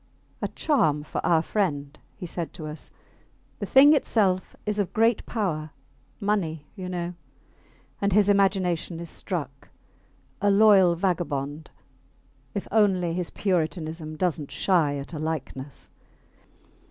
A charm for our friend, he said to us. The thing itself is of great power money, you know and his imagination is struck. A loyal vagabond; if only his puritanism doesnt shy at a likeness